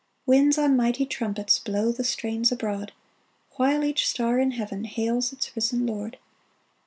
Winds, on mighty trumpets. Blow the strains abroad, While each star in heaven Hails its risen Lord